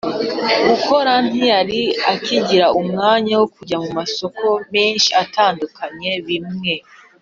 Gukora ntiyari akigira umwanya wo kujya mu masoko menshi atandukanye bimwe